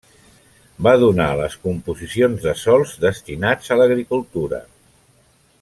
Va donar les composicions de sòls destinats a l'agricultura.